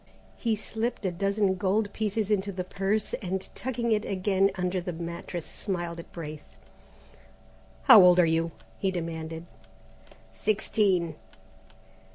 He slipped a dozen gold pieces into the purse, and tucking it again under the mattress smiled at Braith. "How old are you?" he demanded. "Sixteen."